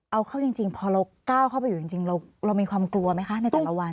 เอาเข้าจริงพอเราก้าวเข้าไปอยู่จริงเรามีความกลัวไหมคะในแต่ละวัน